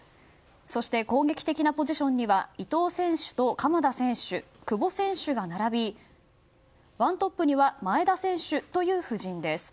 そして、攻撃的なポジションには伊東選手と鎌田選手久保選手が並び１トップには前田選手という布陣です。